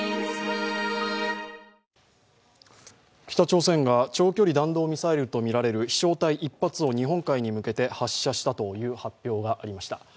北朝鮮が超郷里弾道ミサイルとみられる飛翔体１発を日本海に向けて発射したという発表がありました。